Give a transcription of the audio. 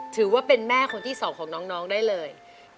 ถือว่าเป็นแม่คนที่สองของน้องได้เลย